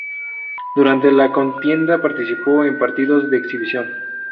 Durante la contienda participó en partidos de exhibición.